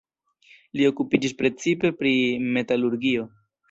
Li okupiĝis precipe pri metalurgio.